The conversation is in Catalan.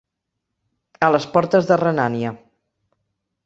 A les portes de Renània.